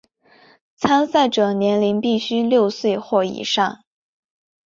参赛者年龄必须六岁或以上。